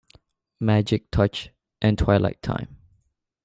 "Magic Touch", and "Twilight Time".